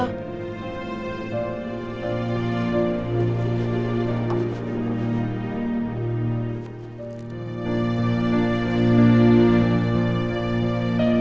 tank segartian learn ya